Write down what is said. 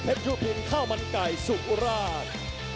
เพชรยุพินข้าวมันไก่สุขอุราช